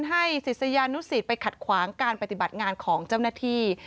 ศิษยานุสิตไปขัดขวางการปฏิบัติงานของเจ้าหน้าที่